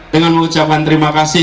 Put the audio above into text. dengan ucapan terima kasih